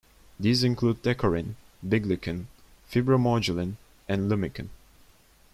These include decorin, biglycan, fibromodulin and lumican.